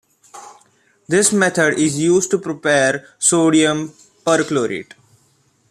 This method is used to prepare sodium perchlorate.